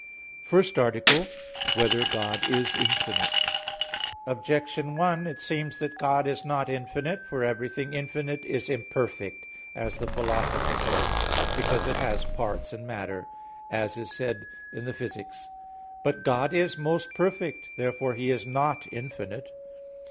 _______________________ FIRST ARTICLE [I, Q. 7, Art. 1] Whether God Is Infinite? Objection 1: It seems that God is not infinite. For everything infinite is imperfect, as the Philosopher says; because it has parts and matter, as is said in Phys. iii. But God is most perfect; therefore He is not infinite.